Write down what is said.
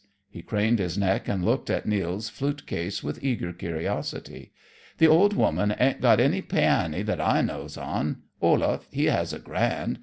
He craned his neck and looked at Nils' flute case with eager curiosity. "The old woman ain't got any piany that I knows on. Olaf, he has a grand.